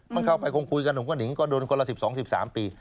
มันเข้าไปคงคุยกับหนุ่มกระหิงก็โดนคนละ๑๒๑๓ปี